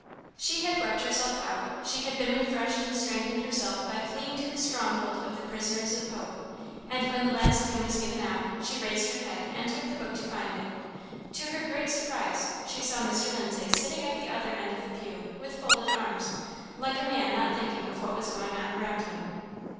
She had wept herself out; she had been refreshed and strengthened herself by fleeing to the stronghold of the prisoners of hope; and when the last hymn was given out, she raised her head and took the book to find it. To her great surprise, she saw Mr. Lindsay sitting at the other end of the pew, with folded arms, like a man not thinking of what was going on around him.